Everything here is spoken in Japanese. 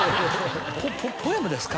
「ポポポエムですか？」